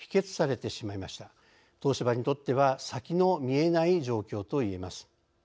東芝にとっては先の見えない状況といえます。